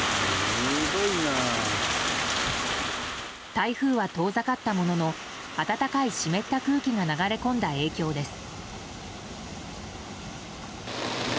台風は遠ざかったものの暖かい湿った空気が流れ込んだ影響です。